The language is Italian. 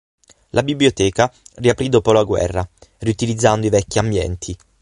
La biblioteca riaprì dopo la guerra, riutilizzando i vecchi ambienti.